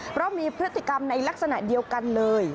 เพราะมีพฤติกรรมในลักษณะเดียวกันเลย